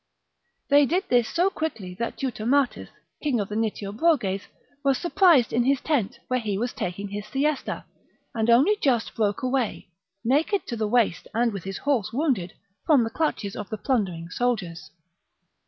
They did this so quickly that Teutomatus, king of the Nitiobroges, was surprised in his tent, where he was taking his siesta, and only just broke away, naked to the waist and with his horse wounded, from the clutches of the plunder ing soldiers.